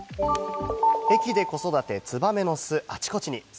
駅で子育て、ツバメの巣、あちこちに。